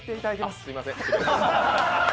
すみません。